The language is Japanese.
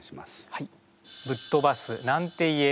はい。